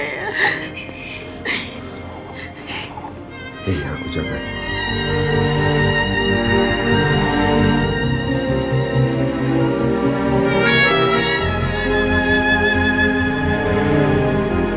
eh aku jangan